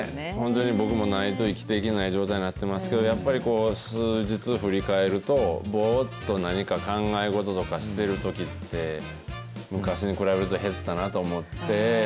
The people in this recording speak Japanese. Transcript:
本当に僕もないと、生きていけない状態になってますけど、やっぱりこう、数日振り返ると、ぼーっと何か考え事とかしてるときって、昔に比べると減ったなと思って。